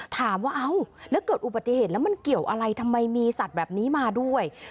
ถามว่าเอ้าแล้วเกิดอุบัติเหตุแล้วมันเกี่ยวอะไรทำไมมีสัตว์แบบนี้มาด้วย